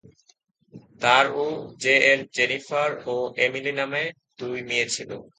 তার ও জে এর জেনিফার ও এমিলি নামে দুই মেয়ে ছিল।